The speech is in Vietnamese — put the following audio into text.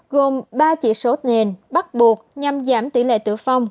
gồm ba chỉ số nền bắt buộc nhằm giảm tỷ lệ tử vong